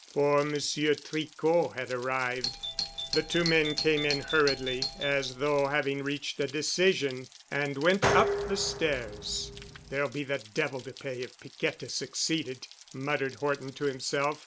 For Monsieur Tricot had arrived. The two men came in hurriedly, as though having reached a decision, and went up the stairs. "There'll be the devil to pay if Piquette has succeeded," muttered Horton to himself.